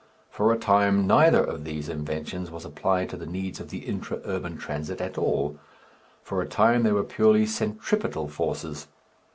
For a time neither of these inventions was applied to the needs of intra urban transit at all. For a time they were purely centripetal forces.